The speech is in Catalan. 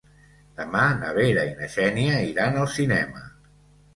Demà na Vera i na Xènia iran al cinema.